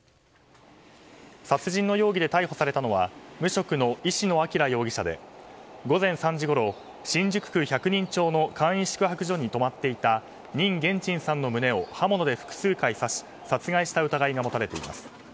殺人の容疑で逮捕されたのは無職の石野彰容疑者で午前３時ごろ新宿区百人町の簡易宿泊所に泊まっていたニン・ゲンチンさんの胸を刃物で複数回刺し殺害した疑いが持たれています。